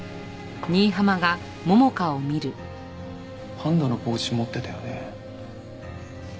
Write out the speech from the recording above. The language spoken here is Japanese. パンダのポーチ持ってたよね？